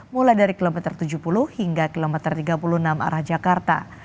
mulai dari kilometer tujuh puluh hingga kilometer tiga puluh enam arah jakarta